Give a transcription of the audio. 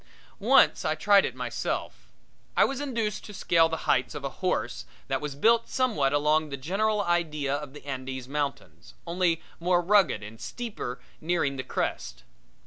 Once I tried it myself. I was induced to scale the heights of a horse that was built somewhat along the general idea of the Andes Mountains, only more rugged and steeper nearing the crest.